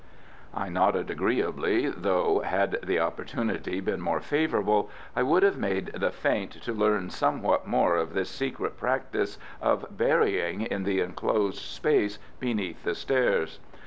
I nodded agreeably, though, had the opportunity been more favourable, I would have made the feint to learn somewhat more of this secret practice of burying in the enclosed space beneath the stairs.